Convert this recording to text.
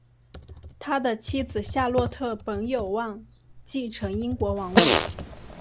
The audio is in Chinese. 他的妻子夏洛特本有望继承英国王位。